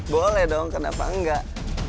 boleh dong kenapa enggak